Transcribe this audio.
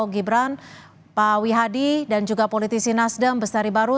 gibran pak wihadi dan juga politisi nasdem bestari baru